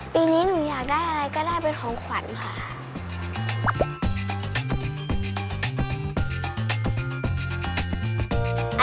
ปีนี้หนูอยากได้อะไรก็ได้เป็นของขวัญค่ะ